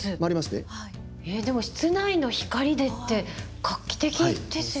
でも室内の光でって画期的ですよね。